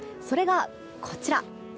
それが、こちら。